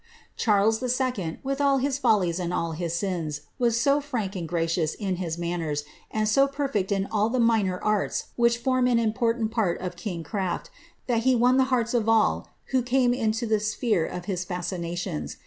Charles II., with all his follies and all his sins, was so frank and pa cious in his manners, and so perfect in all the minor arts which fonn a important part of king craft, that he won the hearts of all who cane within the sphere of liis fascinations.